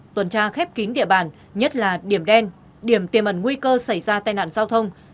tuần tra khép kín địa bàn nhất là điểm đen điểm tiềm ẩn nguy cơ xảy ra tai nạn giao thông